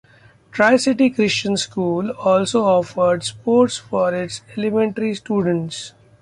Tri-City Christian School also offers sports for its elementary students.